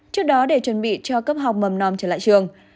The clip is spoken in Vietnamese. trước đó để chuẩn bị cho cấp học mầm non trở lại trường